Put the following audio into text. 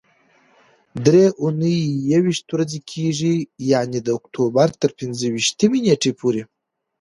درې اونۍ یويشت ورځې کېږي، یعنې د اکتوبر تر پنځه ویشتمې نېټې پورې.